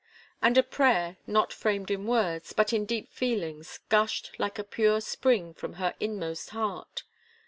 And a prayer, not framed in words, but in deep feelings, gushed like a pure spring from her inmost heart.